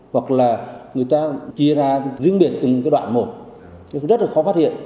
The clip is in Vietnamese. hoặc là người ta chia ra riêng biệt từng đoạn một rất là khó phát hiện